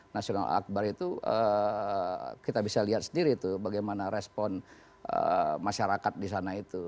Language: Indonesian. nasional akbar itu kita bisa lihat sendiri tuh bagaimana respon masyarakat di sana itu